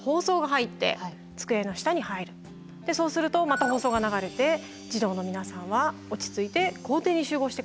そうするとまた放送が流れて「児童の皆さんは落ち着いて校庭に集合して下さい」。